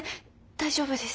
大丈夫です。